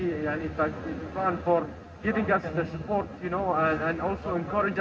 saya ingin mengucapkan terima kasih kepada tuan pesan indosat uridu